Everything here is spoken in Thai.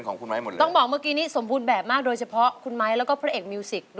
ใครลองกันกันนะครับ